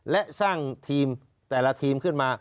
และสร้างทีมแต่ละทีมขึ้นมา